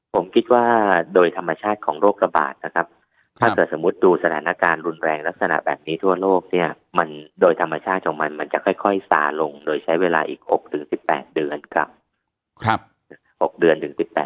ผมคิดว่าโดยธรรมชาติของโรคระบาดนะครับถ้าเกิดสมมุติดูสถานการณ์รุนแรงลักษณะแบบนี้ทั่วโลกเนี่ยมันโดยธรรมชาติของมันมันจะค่อยซาลงโดยใช้เวลาอีก๖๑๘เดือนกับ๖เดือนถึง๑๘